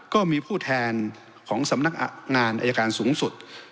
ก็มีผู้แทนของสำนักงานอายการสูงสุด